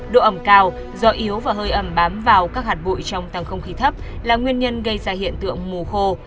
độ ẩm cao gió yếu và hơi ẩm bám vào các hạt bụi trong tầng không khí thấp là nguyên nhân gây ra hiện tượng mù khô